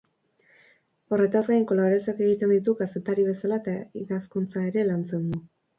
Horretaz gain, kolaborazioak egiten ditu kazetari bezala eta idazkuntza ere lantzen du.